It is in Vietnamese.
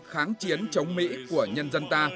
cuộc kháng chiến chống mỹ của nhân dân ta